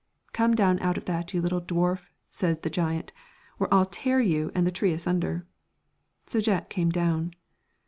'Lome down out of that, you little dwarf,' said the giant, 'or I'll tear you and the tree asunder.' So Jack came down.